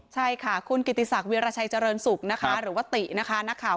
ใช่ค่ะคุณกิติศักดิ์วีรชัยเจริญศุกร์หรือว่าตินะครับ